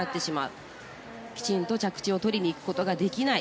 それで、きちんと着地をとりにいくことができない。